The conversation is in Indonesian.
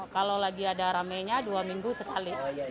kalau lagi ada rame nya dua minggu sekali